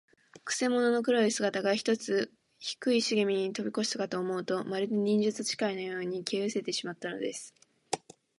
くせ者の黒い姿が、ひとつの低いしげみをとびこしたかと思うと、まるで、忍術使いのように、消えうせてしまったのです。